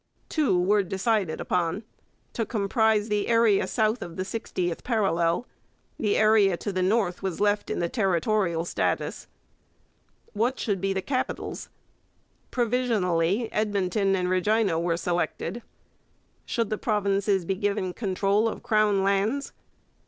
Two were decided upon, to comprise the area south of the sixtieth parallel; the area to the north was left in the territorial status. What should be the capitals? Provisionally Edmonton and Regina were selected. Should the provinces be given control of crown lands?